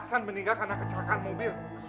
hasan meninggal karena kecelakaan mobil